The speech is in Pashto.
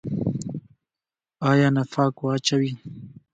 آیا نفاق واچوي؟